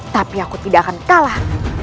tapi aku tidak akan kalah